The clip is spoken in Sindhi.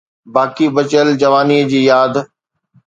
باقي بچيل جوانيءَ جي ياد.